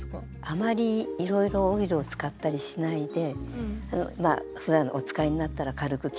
あまりいろいろオイルを使ったりしないでまあふだんお使いになったら軽くきれで拭いておくとか。